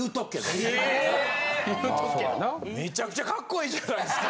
めちゃくちゃカッコいいじゃないですか。